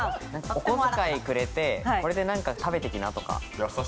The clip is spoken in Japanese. お小遣いくれて「これで何か食べてきな」とか。